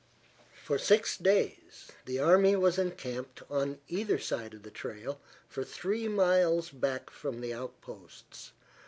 For six days the army was encamped on either side of the trail for three miles back from the outposts.